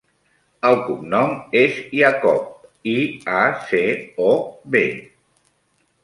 El cognom és Iacob: i, a, ce, o, be.